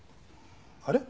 あれ？